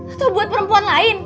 atau buat perempuan lain